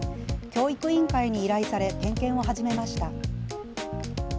教育委員会に依頼され、点検を始めました。